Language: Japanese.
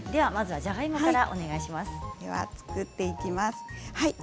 じゃがいもからお願いします。